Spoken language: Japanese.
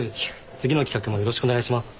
次の企画もよろしくお願いします。